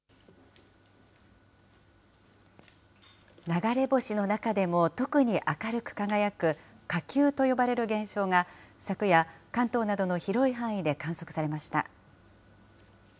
流れ星の中でも、特に明るく輝く火球と呼ばれる現象が、昨夜、関東などの広い範囲で観測されました。